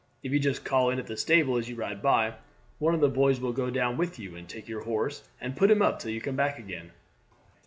If you just call in at the stable as you ride by, one of the boys will go down with you and take your horse and put him up till you come back again."